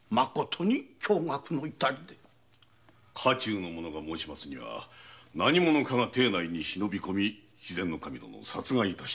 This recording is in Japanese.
家中の者が申しますには何者かが邸内に忍びこみ肥前守殿を殺害致したとか。